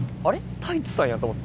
太一さんやと思って。